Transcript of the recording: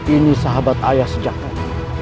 ini sahabat ayah sejak tadi